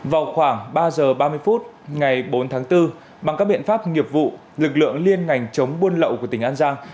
vào khoảng ba giờ ba mươi phút ngày bốn tháng bốn bằng các biện pháp nghiệp vụ lực lượng liên ngành chống buôn lậu của tỉnh an giang